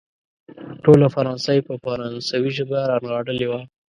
ټوله فرانسه يې په فرانسوي ژبه رانغاړلې وه.